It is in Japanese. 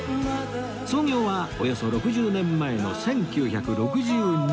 創業はおよそ６０年前の１９６２年